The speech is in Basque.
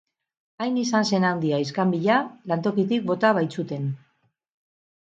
Hain izan zen handia iskanbila, lantokitik bota baitzuten.